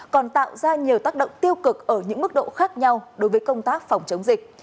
còn tạo ra nhiều tác động tiêu cực ở những mức độ khác nhau đối với công tác phòng chống dịch